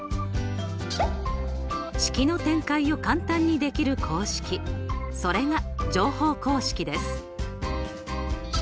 式の展開を簡単にできる公式それが乗法公式です。